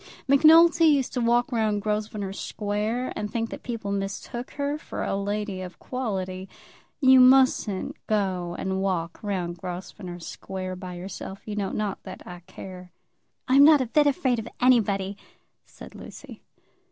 Macnulty used to walk round Grosvenor Square and think that people mistook her for a lady of quality. You mustn't go and walk round Grosvenor Square by yourself, you know. Not that I care." "I'm not a bit afraid of anybody," said Lucy.